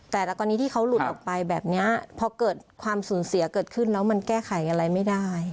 แต่ตอนนี้ที่เขาหลุดออกไปแบบนี้พอเกิดความสูญเสียเกิดขึ้นแล้วมันแก้ไขอะไรไม่ได้